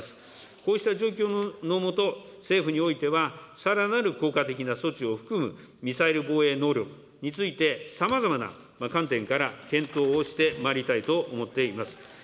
こうした状況のもと、政府においては、さらなる効果的な措置を含むミサイル防衛能力について、さまざまな観点から検討をしてまいりたいと思っています。